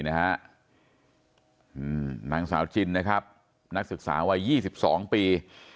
นี่นะครับนางสาวจินนะครับนักศึกษาวัย๒๒ปี